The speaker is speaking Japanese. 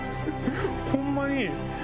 ホンマに。